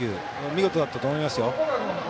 見事だったと思いますよ。